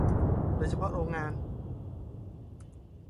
โดยเฉพาะโรงงาน